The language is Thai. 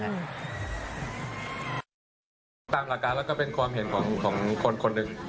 ตามหลักการแล้วก็เป็นความเห็นของคนคนหนึ่ง